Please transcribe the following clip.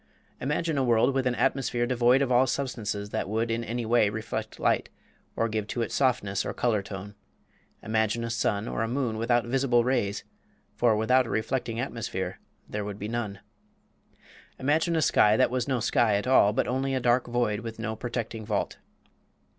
Imagine a world with an atmosphere devoid of all substances that would in any way reflect light or give to it softness or color tone. Imagine a sun or a moon without visible rays for without a reflecting atmosphere there would be none. Imagine a sky that was no sky at all, but only a dark void, with no protecting vault.